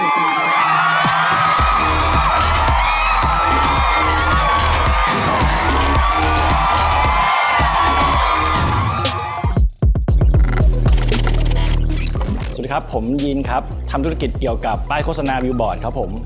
สวัสดีครับผมยินครับทำธุรกิจเกี่ยวกับป้ายโฆษณาวิวบอร์ดครับผม